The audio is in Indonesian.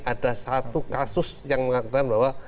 ada satu kasus yang mengatakan bahwa